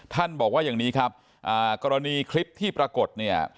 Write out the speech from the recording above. บอกว่าอย่างนี้ครับกรณีคลิปที่ปรากฏเนี่ย